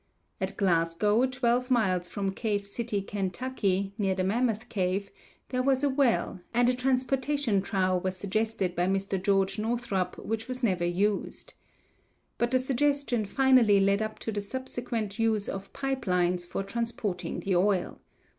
At Glasgow, twelve miles from Cave City, Ky., near the Mammoth Cave, there was a well, and a transportation trough was suggested by Mr. Geo. Northrup, which was never used. But the suggestion finally led up to the subsequent use of pipe lines for transporting the oil.